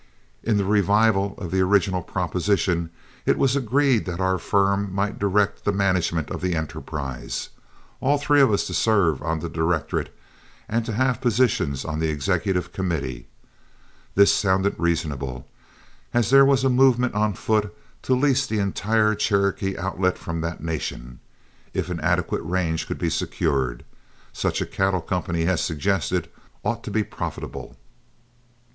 In the revival of the original proposition it was agreed that our firm might direct the management of the enterprise, all three of us to serve on the directorate and to have positions on the executive committee. This sounded reasonable, and as there was a movement on foot to lease the entire Cherokee Outlet from that Nation, if an adequate range could be secured, such a cattle company as suggested ought to be profitable.